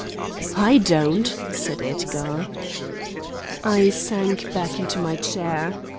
"I don't!" said Edgar. I sank back into my chair.